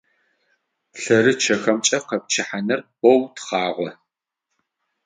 ЛъэрычъэхэмкӀэ къэпчъыхьаныр боу тхъагъо.